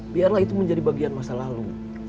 biarlah itu menjadi bagian masa lalu